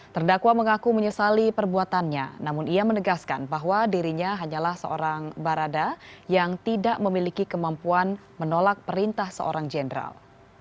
terdakwa mengaku menyesali perbuatannya namun ia menegaskan bahwa dirinya hanyalah seorang barada yang tidak memiliki kemampuan menolak perintah seorang jenderal